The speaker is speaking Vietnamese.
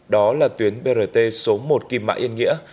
đó là tuyến brt số một kim mã yên nghĩa